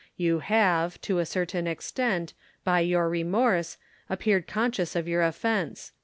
You have, to a certain extent, by your remorse, appeared conscious of your offence.